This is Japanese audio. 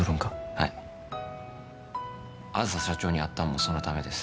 はい梓社長に会ったんもそのためです